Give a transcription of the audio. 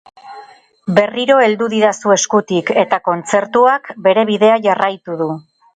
Berriro heldu didazu eskutik, eta kontzertuak bere bidea jarraitu du.